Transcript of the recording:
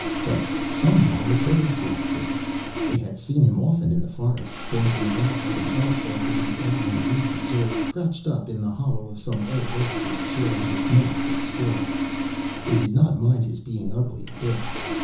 But somehow the Birds liked him. They had seen him often in the forest, dancing about like an elf after the eddying leaves, or crouched up in the hollow of some old oak tree, sharing his nuts with the squirrels. They did not mind his being ugly, a bit.